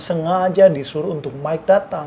sengaja disuruh untuk mike datang